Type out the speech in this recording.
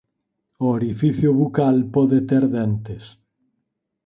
O orificio bucal pode ter dentes.